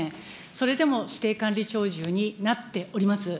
それでも指定管理鳥獣になっております。